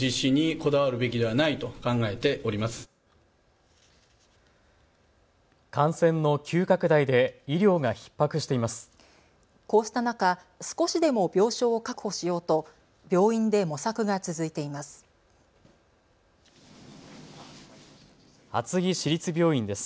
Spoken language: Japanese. こうした中、少しでも病床を確保しようと病院で模索が続いています。